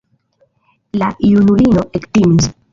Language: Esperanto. La junulino ektimis.